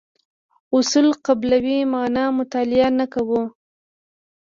اصل قبلولو معنا مطالعه نه کوو.